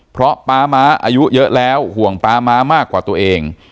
เพราะป๊าม้าอายุเยอะแล้วห่วงป๊าม้ามากกว่าตัวเอง